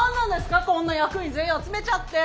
こんな役員全員集めちゃって。